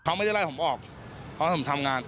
เขาไม่ได้ไล่ผมออกเขาให้ผมทำงาน